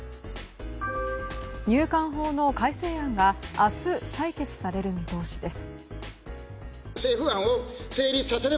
入管法の改正案が明日、採決される見通しです。